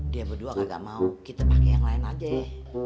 dia berdua kagak mau kita pake yang lain aja ya